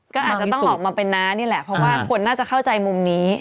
ก็อาจจะต้องออกมาเป็นน้านี่แหละเพราะว่าคนน่าจะเข้าใจมุมนี้